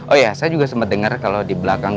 oh ya saya juga sempat dengar kalau di belakang